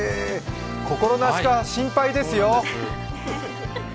心なしか心配ですよ。